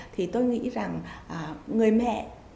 thì tôi nghĩ rằng người mẹ